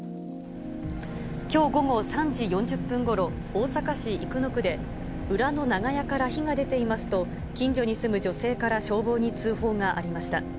きょう午後３時４０分ごろ、大阪市生野区で裏の長屋から火が出ていますと、近所に住む女性から消防に通報がありました。